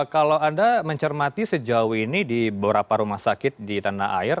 kalau anda mencermati sejauh ini di beberapa rumah sakit di tanah air